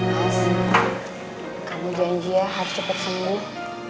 mas kamu janji ya harus cepet sembuh